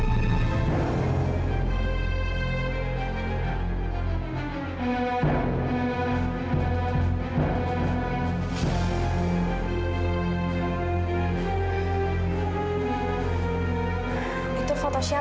aku gak mau